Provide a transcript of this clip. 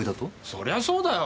そりゃそうだよ。